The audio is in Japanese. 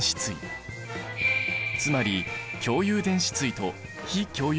つまり共有電子対と非共有